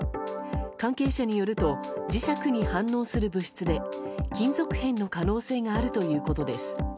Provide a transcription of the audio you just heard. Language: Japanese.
関係者によると磁石に反応する物質で金属片の可能性があるということです。